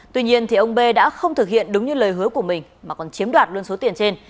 tuy nhiên ông b đã không thực hiện đúng như lời hứa của mình mà còn chiếm đoạt luôn số tiền trên